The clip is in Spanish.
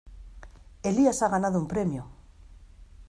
¡Elías ha ganado un premio!